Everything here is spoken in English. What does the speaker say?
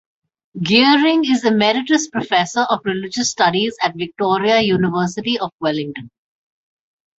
Geering is Emeritus Professor of Religious Studies at Victoria University of Wellington.